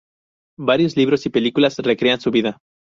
Varios libros y películas recrean su vida.